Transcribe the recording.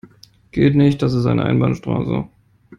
Geht nicht, das ist eine Einbahnstraße.